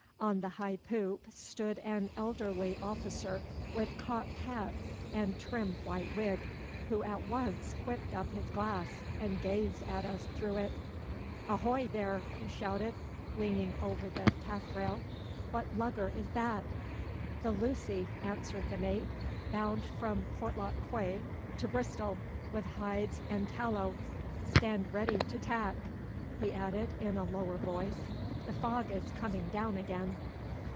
On the high poop stood an elderly officer with cocked hat and trim white wig, who at once whipped up his glass and gazed at us through it. 'Ahoy, there!' he shouted, leaning over the taffrail. 'What lugger is that?' 'The Lucy,' answered the mate, 'bound from Porlock Quay to Bristol with hides and tallow. Stand ready to tack!' he added in a lower voice, 'the fog is coming down again.